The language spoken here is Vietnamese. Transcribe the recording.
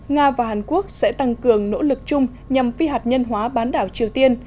nga và hàn quốc sẽ tăng cường nỗ lực chung nhằm phi hạt nhân hóa bán đảo triều tiên